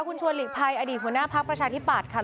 คุณชวนหลีกภัยอดีตหัวหน้าพักประชาธิปัตย์ค่ะ